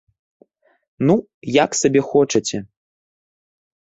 Ну, як сабе хочаце.